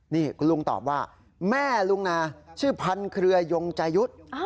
นี่คุณลุงตอบว่าแม่ลุงนะชื่อพันเครือยงใจยุทธ์